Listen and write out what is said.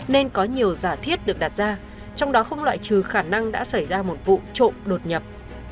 nên có nhiều giả thiết được đặt ra trong đó không loại trừ khả năng đã xảy ra một vụ trộm đột nhập